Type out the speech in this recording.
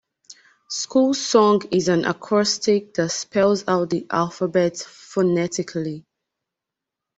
"School Song" is an acrostic that spells out the alphabet phonetically.